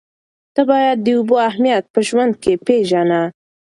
ته باید د اوبو اهمیت په ژوند کې پېژنه.